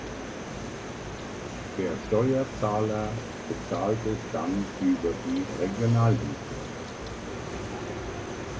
Der Steuerzahler bezahlt es dann über die Regionalhilfe.